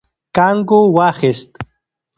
کانګو واخيست.